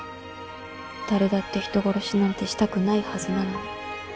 誰だって人殺しなんてしたくないはずなのに。